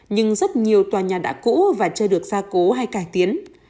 nhưng rất nhiều tòa nhà đã cũ và chưa được gia cố hay cải tiến